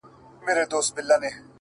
وخ شراب وخ – وخ – وخ مستي ويسو پر ټولو